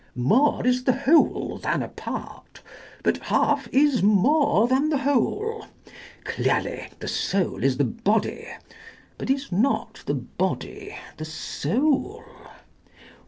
More is the whole than a part: but half is more than the whole: Clearly, the soul is the body: but is not the body the soul?